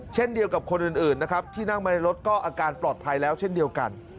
เช่นเดียวกับคนอื่นนะครับที่นั่งมาในรถก็อาการปลอดภัยแล้วเช่นเดียวกัน